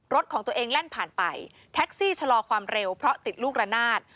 ของตัวเองแล่นผ่านไปแท็กซี่ชะลอความเร็วเพราะติดลูกระนาด